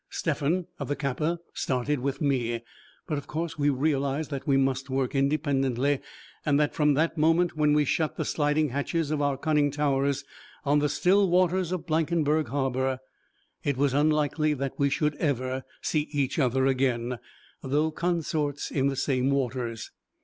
Stephan, of the Kappa, started with me; but, of course, we realized that we must work independently, and that from that moment when we shut the sliding hatches of our conning towers on the still waters of Blankenberg Harbour it was unlikely that we should ever see each other again, though consorts in the same waters.